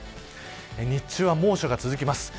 日中は猛暑が続きます。